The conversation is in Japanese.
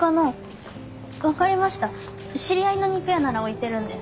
知り合いの肉屋なら置いてるんで。